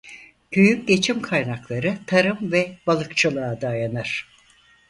Köyün geçim kaynakları tarım ve balıkçılığa dayanır.